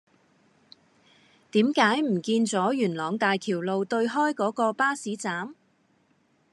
點解唔見左元朗大橋路對開嗰個巴士站